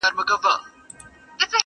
په قېمت لکه سېپۍ او مرغلري!